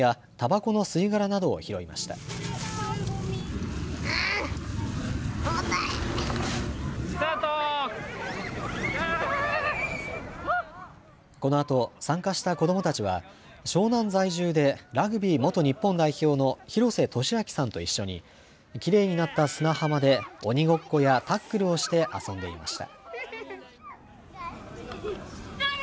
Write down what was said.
このあと参加した子どもたちは湘南在住でラグビー元日本代表の廣瀬俊朗さんと一緒にきれいになった砂浜で鬼ごっこやタックルをして遊んでいました。